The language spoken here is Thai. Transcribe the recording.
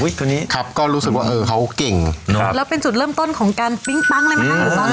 อุ๊ยตอนนี้ครับก็รู้สึกว่าเออเขาเก่งครับแล้วเป็นจุดเริ่มต้นของการปริ้งปั๊งเลยไหมครับ